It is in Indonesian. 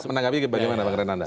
menanggapi bagaimana pak renanda